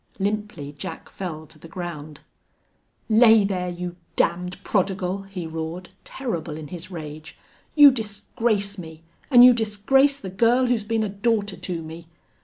Limply Jack fell to the ground. "Lay there, you damned prodigal!" he roared, terrible in his rage. "You disgrace me an' you disgrace the girl who's been a daughter to me!...